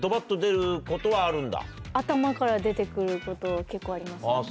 頭から出てくること結構あります。